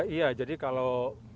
iya jadi kalau